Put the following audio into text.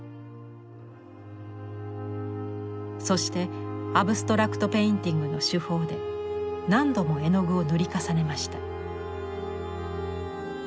そして「アブストラクト・ペインティング」の手法で何度も絵の具を塗り重ねました。